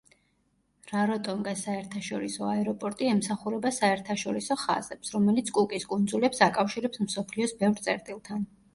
რაროტონგას საერთაშორისო აეროპორტი ემსახურება საერთაშორისო ხაზებს, რომელიც კუკის კუნძულებს აკავშირებს მსოფლიოს ბევრ წერტილთან.